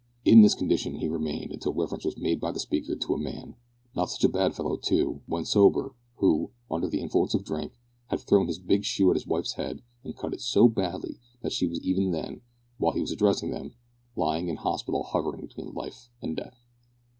In this condition he remained until reference was made by the speaker to a man not such a bad fellow too, when sober who, under the influence of drink, had thrown his big shoe at his wife's head and cut it so badly that she was even then while he was addressing them lying in hospital hovering between life and death.